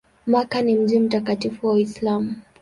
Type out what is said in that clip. Makka ni mji mtakatifu wa Uislamu.